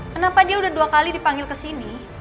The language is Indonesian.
kenapa dia udah dua kali dipanggil ke sini